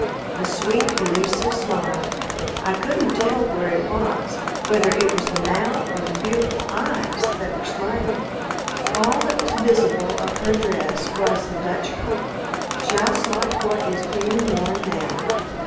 The sweet, elusive smile, I couldn't tell where it was, whether it was the mouth or the beautiful eyes that were smiling. All that was visible of her dress was the Dutch collar, just like what is being worn now.